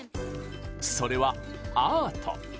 それはアート！